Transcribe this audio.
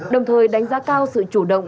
đồng thời đánh giá cao sự chủ động